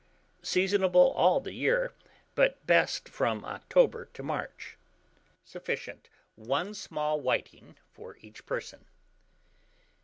Seasonable all the year, but best from October to March. Sufficient, 1 small whiting for each person.